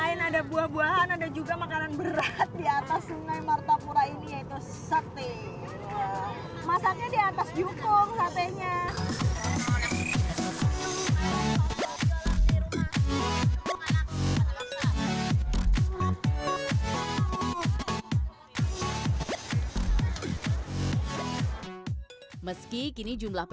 selain ada buah buahan ada juga makanan berat di atas sungai martapura ini yaitu sate